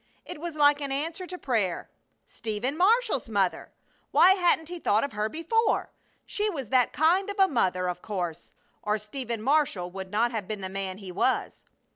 It was like an answer to prayer. Stephen Marshall's mother! Why hadn't he thought of her before? She was that kind of a mother of course, or Stephen Marshall would not have been the man he was!